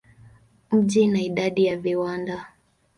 Mji ina idadi ya viwanda.